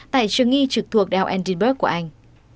tại trường nghi trực thuộc đạo edinburgh của anh